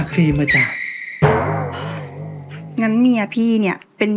พี่ถึกจ้าชายหญิงอยู่ในห้องด้วยกันซะ